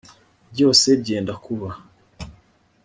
byose byenda kuba